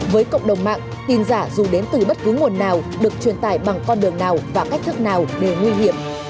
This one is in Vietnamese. với cộng đồng mạng tin giả dù đến từ bất cứ nguồn nào được truyền tải bằng con đường nào và cách thức nào đều nguy hiểm